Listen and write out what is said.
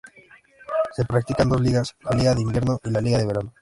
Se practican dos ligas: la liga de invierno y la liga de verano.